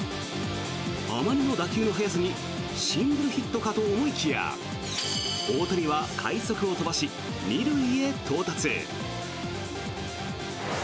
あまりの打球の速さにシングルヒットかと思いきや大谷は快足を飛ばし２塁へ到達。